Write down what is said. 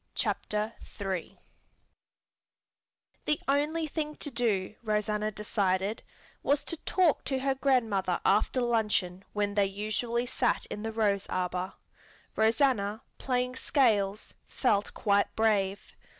CHAPTER III The only thing to do, Rosanna decided, was to talk to her grandmother after luncheon when they usually sat in the rose arbor. Rosanna, playing scales, felt quite brave.